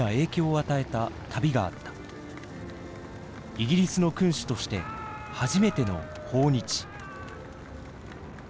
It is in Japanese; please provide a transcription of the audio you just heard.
イギリスの君主として初めての訪日。